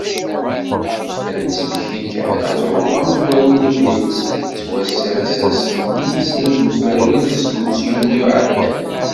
Ad d-nesmekti kan, aẓru amezwau n lebni-nsen, yettwasers ass-nni n snat tmerwin d semmus yunyu iɛeddan.